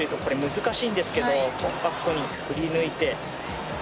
難しいんですけどコンパクトに振り抜いて。